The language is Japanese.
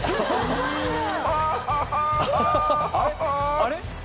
あれ？